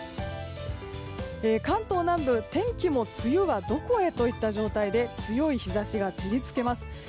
関東南部、天気も梅雨はどこへといった状態で強い日差しが照り付けます。